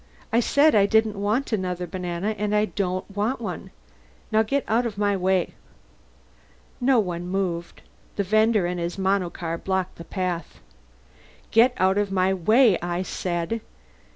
"I said I didn't want another banana, and I don't want one. Now get out of my way!" No one moved. The vender and his monocar blocked the path. "Get out of my way, I said."